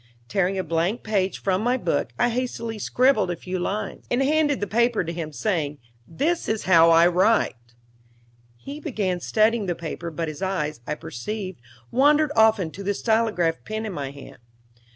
Tearing a blank page from my book I hastily scribbled a few lines, and handed the paper to him, saying: "This is how I write." He began studying the paper, but his eyes, I perceived, wandered often to the stylograph pen in my hand.